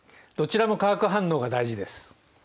どちらも化学反応が大事です。